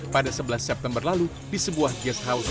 pada sebelas september lalu di sebuah guest house